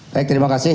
baik terima kasih